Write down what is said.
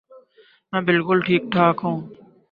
میں بالکل ٹھیک ٹھاک ہوں